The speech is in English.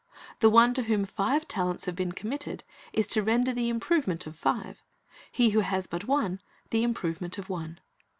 The one to whom five talents have been committed is to render the improvement of five; he who has but one, the improvement of one.